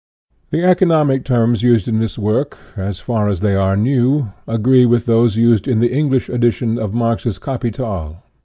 The economic terms used in this work, as far as they are new, agree with those used in the English edition of Marx's " Capital."